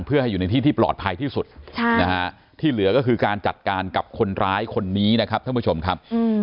เพื่อให้อยู่ในที่ที่ปลอดภัยที่สุดที่เหลือก็คือการจัดการกับคนร้ายคนนี้นะครับท่านผู้ชมครับ